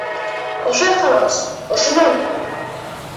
Ошо яҡтан ас, ошонан!